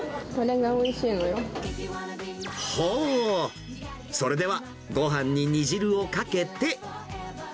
ほー、それではごはんに煮汁をかけて。